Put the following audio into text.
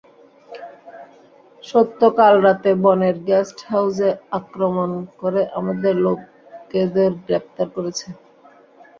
সত্য কাল রাতে বনের গেস্ট হাউজে আক্রমণ করে আমাদের লোকেদের গ্রেফতার করেছে।